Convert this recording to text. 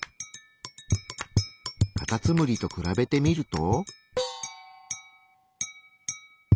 カタツムリと比べてみると。